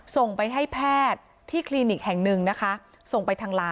ส่งไปให้แพทย์ที่คลินิกแห่งหนึ่ง